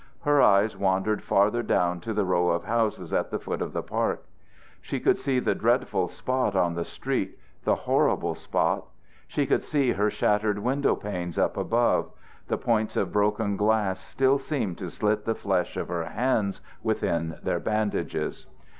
Her eyes wandered farther down to the row of houses at the foot of the park. She could see the dreadful spot on the street, the horrible spot. She could see her shattered window panes up above. The points of broken glass still seemed to slit the flesh of her hands within their bandages.